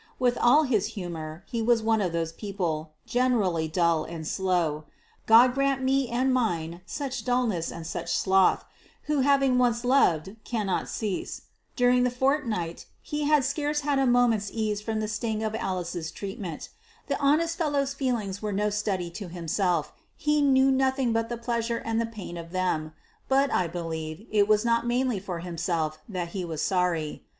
With all his humour, he was one of those people, generally dull and slow God grant me and mine such dullness and such sloth who having once loved, cannot cease. During the fortnight he had scarce had a moment's ease from the sting of his Alice's treatment. The honest fellow's feelings were no study to himself; he knew nothing but the pleasure and the pain of them; but, I believe it was not mainly for himself that he was sorry.